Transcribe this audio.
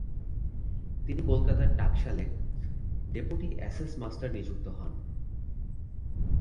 তিনি কলকাতার টাঁকশালে ডেপুটি অ্যাসেস মাস্টার নিযুক্ত হন।